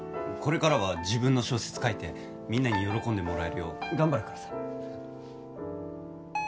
これからは自分の小説書いてみんなに喜んでもらえるよう頑張るからさ。